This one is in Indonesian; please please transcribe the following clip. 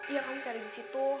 iya kamu cari disitu